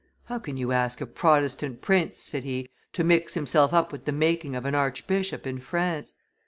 "How can you ask a Protestant prince," said he, "to mix himself up with the making of an archbishop in France?